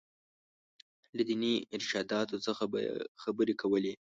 له ديني ارشاداتو څخه به یې خبرې کولې.